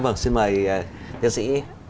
vâng xin mời thiên sĩ